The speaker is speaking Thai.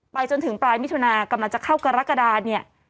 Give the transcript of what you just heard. จนถึงปลายมิถุนากำลังจะเข้ากรกฎาเนี่ย